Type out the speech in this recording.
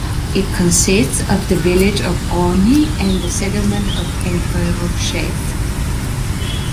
It consists of the village of Orny and the settlement of Entreroches.